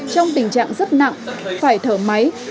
trong tình trạng rất nặng phải thở máy